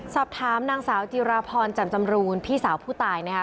สอบถามนางสาวจิราพรแจ่มจำรูนพี่สาวผู้ตายนะคะ